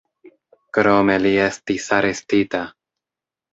Krome li estis arestita.